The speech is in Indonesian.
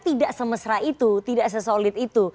tidak semesra itu tidak sesolid itu